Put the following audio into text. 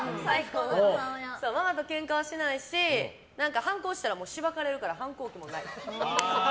ママとケンカはしないし反抗したら、しばかれるから反抗期もない。